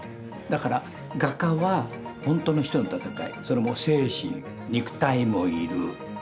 だから画家はほんとの一人の闘いそれも精神肉体もいる。